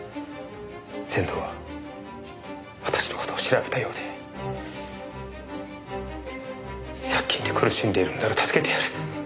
仙堂は私の事を調べたようで借金で苦しんでいるのなら助けてやる。